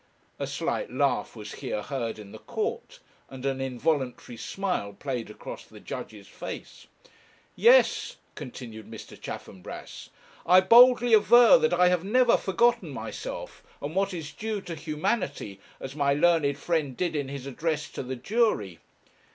a slight laugh was here heard in the court, and an involuntary smile played across the judge's face 'yes,' continued Mr. Chaffanbrass, 'I boldly aver that I have never forgotten myself, and what is due to humanity, as my learned friend did in his address to the jury.